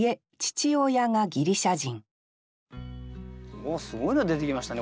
おおすごいの出てきましたね